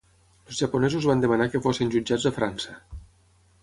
Els japonesos van demanar que fossin jutjats a França.